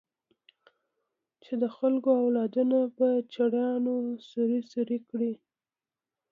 چې د خلکو اولادونه په چړيانو سوري سوري کړي.